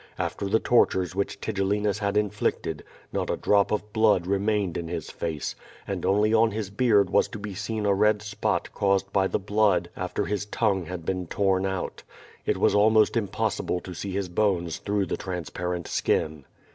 After the tortures which Tigellinus had inflicted, not a drop of blood remained in his face, and only on his beard was to be seen a red spot caused by the blood after his tongue had been torn out. It was almost possible to see his bones through the transparent skin.